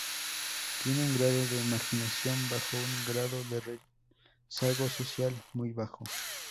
Tiene un Grado de marginación bajo y un Grado de rezago social muy bajo.